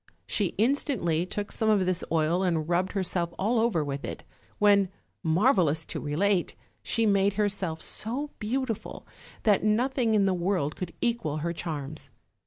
She instantly took some of this oil and rubbed herself all over with it, when, marvelous to relate! she made herself so beautiful that nothing in the world could equal her charms.